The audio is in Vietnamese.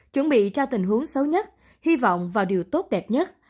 chuẩn bị cho tình huống xấu nhất hy vọng vào điều tốt đẹp nhất